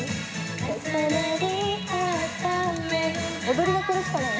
踊りがこれしかない。